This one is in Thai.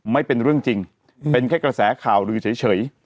ไม่เป็นเรื่องจริงเป็นแค่กระแสข่าวลือเฉย